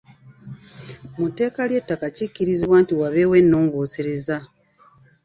Mu tteeka ly’ettaka, kikkirizibwe nti wabeewo ennongoosereza.